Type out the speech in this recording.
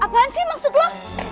ya apan sih maksud lo